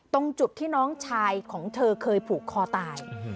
ตรงจุดที่น้องชายของเธอเคยผูกคอตาย